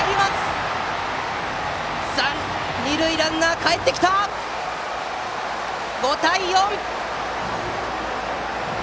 二塁ランナー、かえってきて５対４！